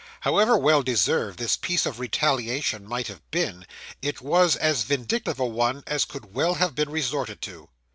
However well deserved this piece of retaliation might have been, it was as vindictive a one as could well have been resorted to.